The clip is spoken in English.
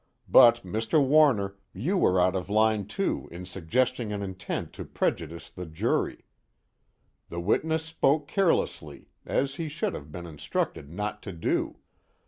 But Mr. Warner, you are out of line too in suggesting an intent to prejudice the jury. The witness spoke carelessly, as he should have been instructed not to do.